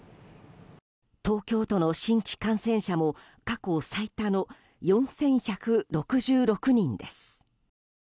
東京都の新規感染者も過去最多の４１６６人です。